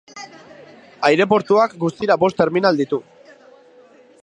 Aireportuak guztira bost terminal ditu.